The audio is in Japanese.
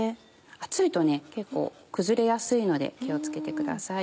熱いと結構崩れやすいので気を付けてください。